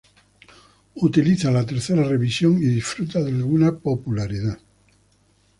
Utiliza la tercera revisión, y disfruta de alguna popularidad.